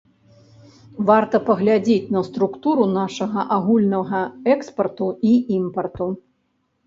Варта паглядзець на структуру нашага агульнага экспарту і імпарту.